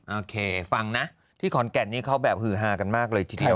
โอเคฟังนะที่ขอนแก่นนี้เขาแบบฮือฮากันมากเลยทีเดียว